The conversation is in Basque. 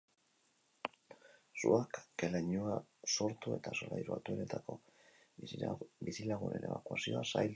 Suak ke-lainoa sortu eta solairu altuenetako bizilagunen ebakuazioa zaildu du.